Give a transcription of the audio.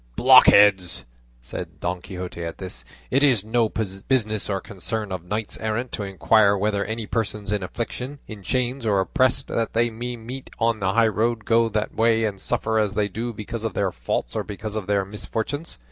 "Blockhead!" said Don Quixote at this, "it is no business or concern of knights errant to inquire whether any persons in affliction, in chains, or oppressed that they may meet on the high roads go that way and suffer as they do because of their faults or because of their misfortunes.